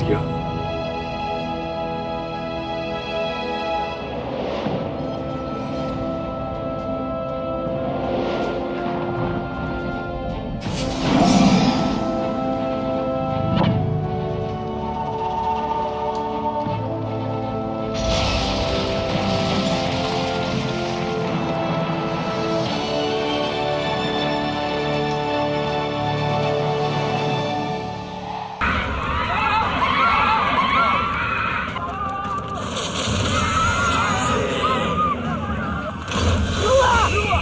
jadilah kau satria